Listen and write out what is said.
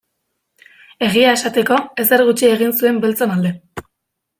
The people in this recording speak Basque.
Egia esateko, ezer gutxi egin zuen beltzon alde.